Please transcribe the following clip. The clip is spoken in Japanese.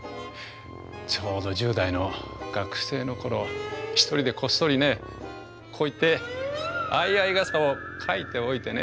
ちょうど１０代の学生の頃１人でこっそりねこういって相合い傘を描いておいてね。